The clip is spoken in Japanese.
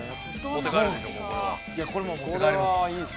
これ、もう持って帰ります。